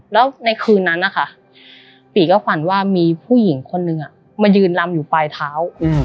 แล้วในคืนนั้นนะคะปีก็ฝันว่ามีผู้หญิงคนนึงมายืนลำอยู่ปลายเท้า